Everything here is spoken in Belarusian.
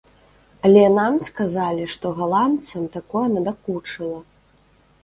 Але нам сказалі, што галандцам такое надакучыла.